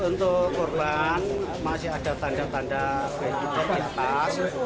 untuk korban masih ada tanda tanda di atas